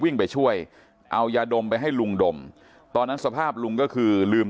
วิ่งไปช่วยเอายาดมไปให้ลุงดมตอนนั้นสภาพลุงก็คือลืม